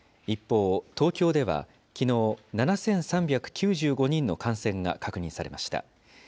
一方、東京では、きのう７３９５人の感染が確認されました。